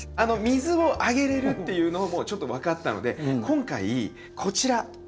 水をあげれるっていうのをちょっと分かったので今回こちら。